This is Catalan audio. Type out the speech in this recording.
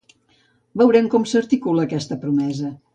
Veurem com s’articula aquesta promesa.